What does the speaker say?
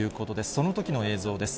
そのときの映像です。